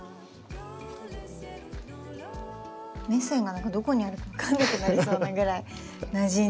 メセンがどこにあるか分かんなくなりそうなぐらいなじんでる。